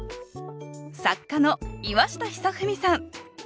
作家の岩下尚史さん。